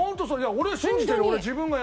俺信じてるよ。